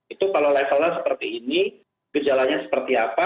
itu kalau levelnya seperti ini gejalanya seperti apa